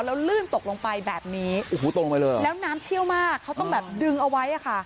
แล้วลื่นตกลงไปแบบนี้แล้วน้ำเชี่ยวมากเขาต้องแบบดึงเอาไว้ค่ะ